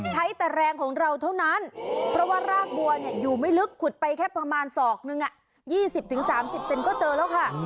ใช้แต่แรงของเราเท่านั้นเพราะว่ารากบัวเนี่ยอยู่ไม่ลึกขุดไปแค่ประมาณศอกนึง๒๐๓๐เซนก็เจอแล้วค่ะ